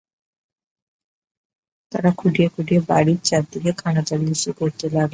তারা খুঁটিয়ে খুঁটিয়ে বাড়ির চারদিকে খানাতল্লাশি করতে লাগলেন।